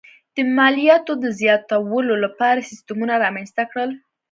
د مالیاتو د زیاتولو لپاره سیستمونه رامنځته کړل.